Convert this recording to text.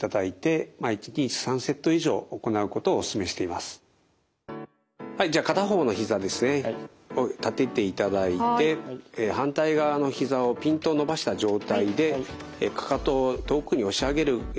でこれをはいじゃあ片方のひざですねを立てていただいて反対側のひざをピンと伸ばした状態でかかとを遠くに押し上げるようにゆっくり上げます。